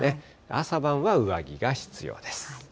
朝晩は上着が必要です。